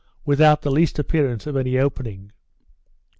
without the least appearance of any opening.